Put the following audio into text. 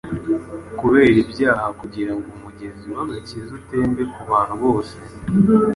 kubera ibyaha kugira ngo umugezi w’agakiza utembe ku bantu bose.